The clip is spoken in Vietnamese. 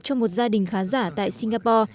cho một gia đình khá giả tại singapore